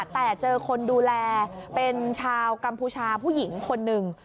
แต่เจอคนดูแลเป็นชาวกัมพูชาผู้หญิงคนหนึ่ง